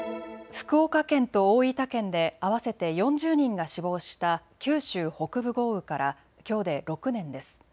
福岡県と大分県で合わせて４０人が死亡した九州北部豪雨から、きょうで６年です。